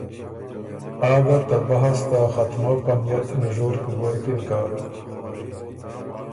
آ ګه ته بحث ته ختمؤ په نئت نژور کی غوېکِن که